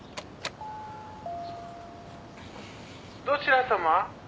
「どちら様？」